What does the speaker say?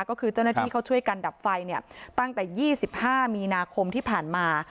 ก็คือเจ้าหน้าที่เขาช่วยกันดับไฟตั้งแต่๒๕มีนาคมที่ผ่านมา